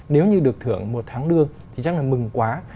nếu như được thưởng một tháng lương thì chắc là mừng quá